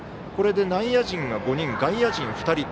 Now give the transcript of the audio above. これで内野陣が５人外野陣が２人。